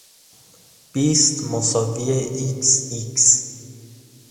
بیست = xx